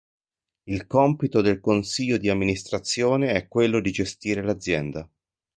Il compito del Consiglio di amministrazione è quello di gestire l'azienda.